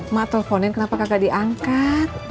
mak teleponin kenapa kakak diangkat